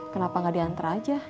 kenapa gak diantar aja